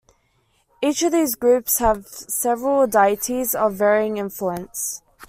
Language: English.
Each of these groups has several deities of varying influence.